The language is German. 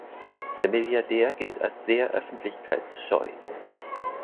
Der Milliardär gilt als sehr öffentlichkeitsscheu.